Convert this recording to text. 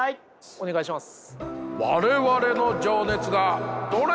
お願いします。